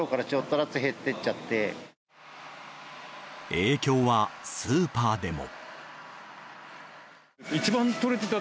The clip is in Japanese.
影響はスーパーでも。